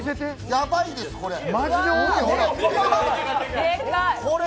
ヤバいです、これ！